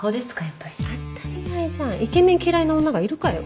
当たり前じゃんイケメン嫌いな女がいるかよ。